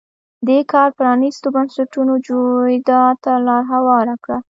دې کار پرانیستو بنسټونو جوړېدا ته لار هواره کړه.